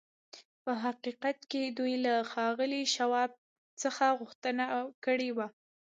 په حقیقت کې دوی له ښاغلي شواب څخه غوښتنه کړې وه